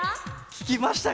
ききましたか？